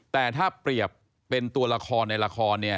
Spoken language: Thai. แต่ถ้าเปรียบเป็นตัวละครในละครเนี่ย